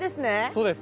そうです